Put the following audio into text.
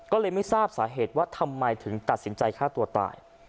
ก็เลยไม่ทราบสาเหตุว่าทำไมถึงตัดสินใจฆ่าตัวตาย